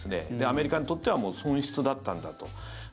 アメリカにとっては損失だったんだと。